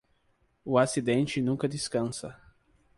O acidente nunca descansa.